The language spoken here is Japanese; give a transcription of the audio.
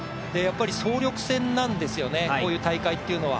総力戦なんですよね、こういう大会っていうのは。